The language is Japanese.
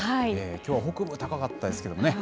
きょうは北部、高かったですけれどもね。